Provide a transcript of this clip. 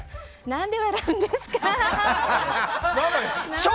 何で笑うんですか？